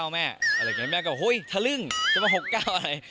๖๙แม่แม่ก็โอ้ยทะลึ่งจะมา๖๙อะไร